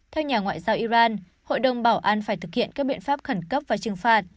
theo nhà ngoại giao iran hội đồng bảo an phải thực hiện các biện pháp khẩn cấp và trừng phạt